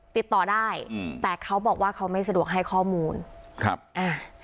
ติดต่อได้อืมแต่เขาบอกว่าเขาไม่สะดวกให้ข้อมูลครับอ่า